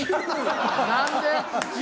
何で？